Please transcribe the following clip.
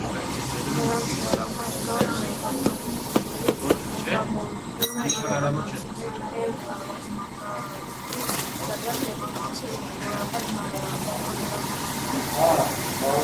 Նրանց ռազմական գործողությունների ղեկավարությունը իրականացրել է ռազմաճակատի տվյալ տեղամասի զինվորական հրամանատարությունը։